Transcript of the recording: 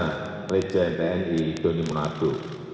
dan leja ntni doni monato